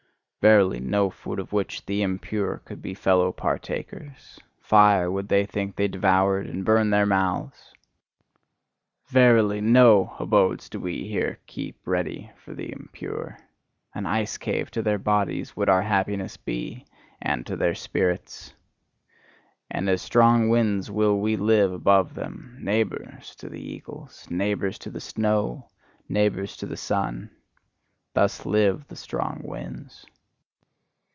Verily, no food of which the impure could be fellow partakers! Fire, would they think they devoured, and burn their mouths! Verily, no abodes do we here keep ready for the impure! An ice cave to their bodies would our happiness be, and to their spirits! And as strong winds will we live above them, neighbours to the eagles, neighbours to the snow, neighbours to the sun: thus live the strong winds.